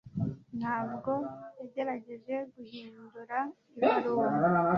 Ntabwo yagerageje guhindura ibaruwa